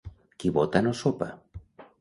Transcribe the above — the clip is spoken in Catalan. Qui vota no sopa.